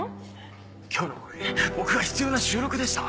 今日のこれ僕が必要な収録でした？